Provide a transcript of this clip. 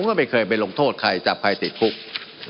มันมีมาต่อเนื่องมีเหตุการณ์ที่ไม่เคยเกิดขึ้น